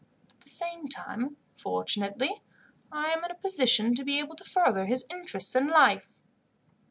At the same time, fortunately, I am in a position to be able to further his interests in life.